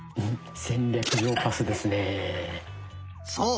そう！